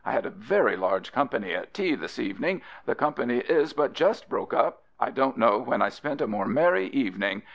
I had a very large company at Tea this Evening. The company is but just broke up, I dont know when I spent a more merry Even^g.